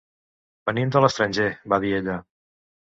Venim de l'estranger —va dir ella.